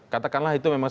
katakanlah itu memang